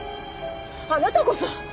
あなたこそ。